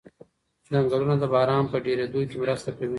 ځنګلونه د باران په ډېرېدو کې مرسته کوي.